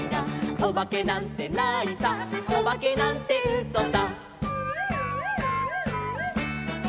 「おばけなんてないさおばけなんてうそさ」